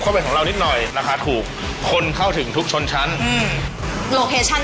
เข้าไปของเรานิดหน่อยนะคะถูกคนเข้าถึงทุกชนชั้นอืม